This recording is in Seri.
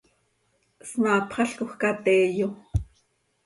Smaapxalcoj ca teeyo.